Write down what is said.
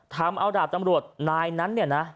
ทำเอาดาบตำรวจนายนั้นเนี่ยนะ